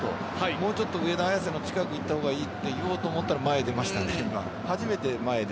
もうちょっと上田綺世の近くにいたほうがいいと言おうと思ったら前に出ましたね。